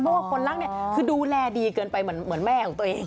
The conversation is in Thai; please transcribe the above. เพราะว่าคนรักเนี่ยคือดูแลดีเกินไปเหมือนแม่ของตัวเอง